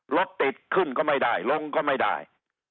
รถติดขึ้นก็ไม่ได้ลงก็ไม่ได้